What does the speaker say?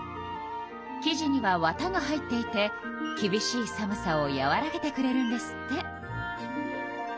きじにはわたが入っていてきびしい寒さをやわらげてくれるんですって。